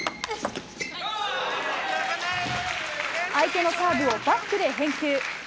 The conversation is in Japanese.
相手のサーブをバックで返球。